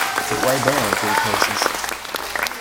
But why there, of all places?